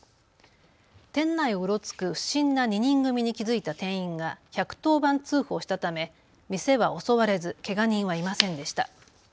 店内をうろつく不審な２人組に気付いた店員が１１０番通報したため店は襲われずけが人はいませんでした。